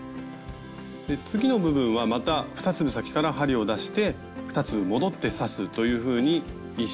次の部分はまた２粒先から針を出して２粒戻って刺すというふうに１周ぐるっと刺していきます。